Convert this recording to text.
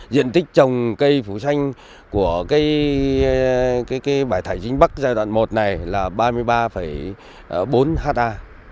diện tích trồng cây phủ xanh của bãi thải chính bắc giai đoạn một này là ba mươi ba bốn ha